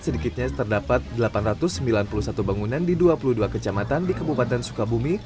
sedikitnya terdapat delapan ratus sembilan puluh satu bangunan di dua puluh dua kecamatan di kabupaten sukabumi